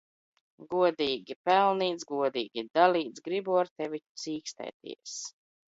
Godīgi pelnīts, godīgi dalīts. Gribu ar tevi cīkstēties.